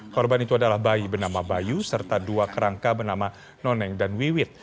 korban itu adalah bayi bernama bayu serta dua kerangka bernama noneng dan wiwit